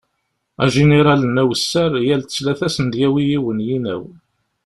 Ajiniral-nni awessar yal ttlata ad sen-d-yawi yiwen yinaw.